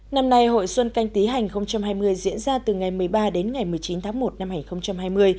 năm nay hội xuân canh tí hành hai mươi diễn ra từ ngày một mươi ba đến ngày một mươi chín tháng một năm hai nghìn hai mươi